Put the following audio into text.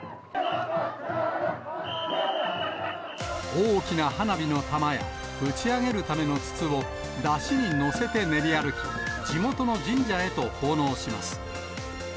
大きな花火の玉や、打ち上げるための筒を山車に乗せて練り歩き、地元の神社へと奉納します。